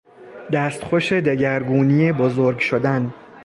دستخوش دگرگونی بزرگ شدن